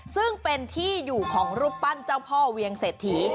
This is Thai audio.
ซึ่งเป็นที่อยู่ของรูปปั้นเจ้าพ่อเวียงเศรษฐี